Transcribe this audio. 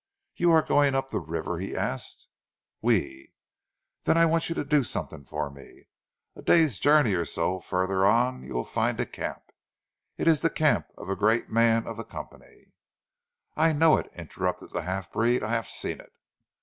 "You are going up the river?" he asked. "Oui!" "Then I want you to do something for me. A day's journey or so further on you will find a camp, it is the camp of a great man of the Company " "I know it," interrupted the half breed, "I haf seen it."